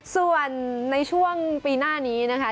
ส่วนในช่วงปีหน้านี้นะคะ